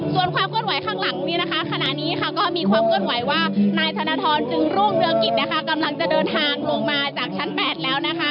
ส่วนความเคลื่อนไหวข้างหลังนี้นะคะขณะนี้ก็มีความเคลื่อนไหวว่านายธนทรจึงรุ่งเรืองกิจกำลังจะเดินทางลงมาจากชั้น๘แล้วนะคะ